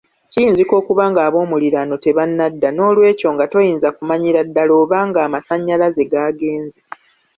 Kiyinzika okuba ng’aboomuliraano bonna tebannadda, n’olwekyo nga toyinza kumanyira ddala oba ng’amasannyalaze gaagenze.